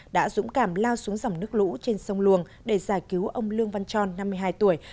đã dũng cảm lao xuống dòng nước lũ trên sông luồng để giải cứu ông lương văn tròn năm mươi hai tuổi